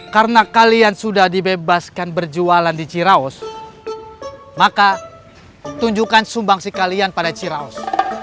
karena kalian sudah dibebaskan berjualan di ciraus maka tunjukkan sumbangsi kalian pada ciraus